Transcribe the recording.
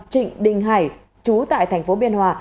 trịnh đình hải chú tại thành phố biên hòa